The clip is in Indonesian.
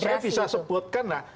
saya bisa sebutkan lah